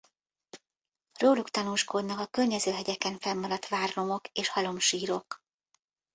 Róluk tanúskodnak a környező hegyeken fennmaradt várromok és halomsírok.